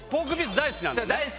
大好きなんですよ。